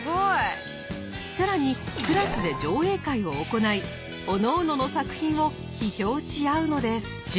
更にクラスで上映会を行いおのおのの作品を批評し合うのです。